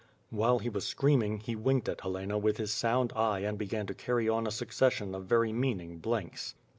While he was screaming, he winked at Helena with his sound eye and began to carry on a succession of very meaning blinks.